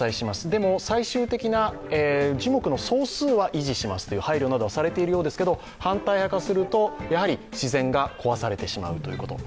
でも、最終的な樹木の総数は維持しますという配慮はされてるようですが、反対派からすると、自然が壊されてしまうということ。